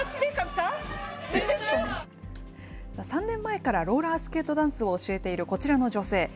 ３年前からローラースケートダンスを教えている、こちらの女性。